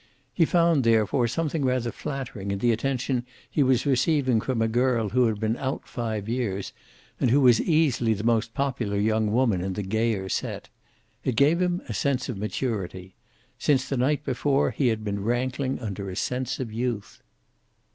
He found, therefore, something rather flattering in the attention he was receiving from a girl who had been out five years, and who was easily the most popular young woman in the gayer set. It gave him a sense of maturity Since the night before he had been rankling under a sense of youth.